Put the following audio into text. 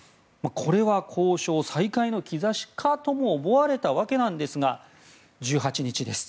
これは交渉再開の兆しかとも思われたわけですが１８日です。